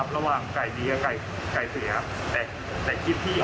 ระหว่างไก่ดีกับไก่เสียครับ